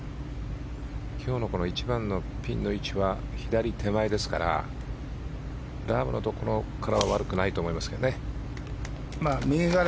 今日の１番のピンの位置は左手前ですからラームのところからは悪くないと思いますがね。